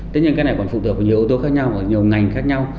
tuy nhiên cái này còn phụ thuộc vào nhiều yếu tố khác nhau và nhiều ngành khác nhau